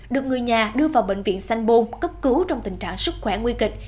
được người nhà đưa vào bệnh viện sanh bôn cấp cứu trong tình trạng sức khỏe nguy kịch